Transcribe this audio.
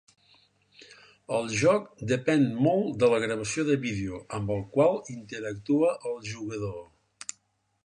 El joc depèn molt de la gravació de vídeo, amb el qual interactua el jugador.